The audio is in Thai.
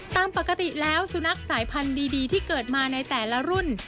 ตามปกติแล้วสุนัขสายพันธุ์ดีที่เกิดมาในแต่ละรุ่น